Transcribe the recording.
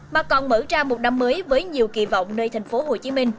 mà còn mở ra một năm mới với nhiều kỳ vọng nơi thành phố hồ chí minh